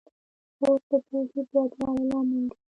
کورس د پوهې زیاتولو لامل کېږي.